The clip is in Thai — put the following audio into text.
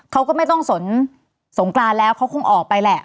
เขาก็ไม่ต้องสนสงกรานแล้วเขาคงออกไปแหละ